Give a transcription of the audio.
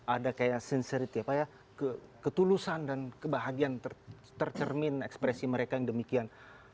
ada kayak sincerity apa ya ketulusan dan kebahagiaan tercermin ekspresi mereka yang demikian